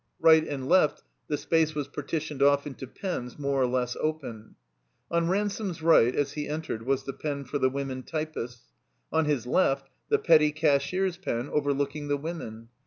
Right and left the space was partitioned off into pens more or less open. On Ransome's right, as he entered, was the pen for the women typists. On his left the petty cashier's pen, overlooking the women.